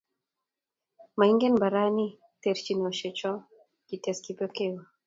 Moingen mbarani terchinosiecho, kites Kipokeo